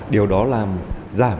điều đó làm giảm